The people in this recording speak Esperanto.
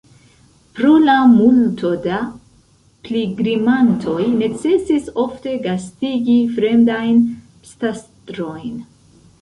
Pro la multo da pilgrimantoj necesis ofte gastigi fremdajn pstastrojn.